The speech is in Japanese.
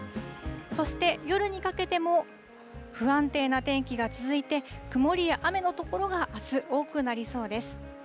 そして夜にかけても、不安定な天気が続いて、曇りや雨の所が、あす、多くなりそうです。